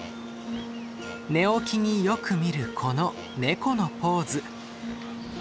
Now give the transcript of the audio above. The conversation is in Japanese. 寝起きによく見るこのネコのポーズ。